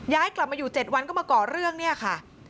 กลับมาอยู่๗วันก็มาก่อเรื่องเนี่ยค่ะ